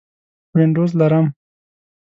وینډوز لرم